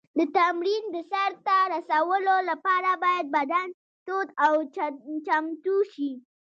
د تمرین د سر ته رسولو لپاره باید بدن تود او چمتو شي.